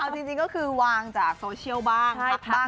เอาจริงก็คือวางจากโซเชียลบ้างเช็คบ้าง